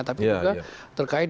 tapi juga terkait